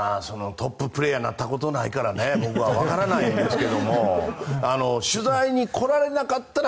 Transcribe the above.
トッププレーヤーになったことがないから僕は分からないですけど取材に来られなかったら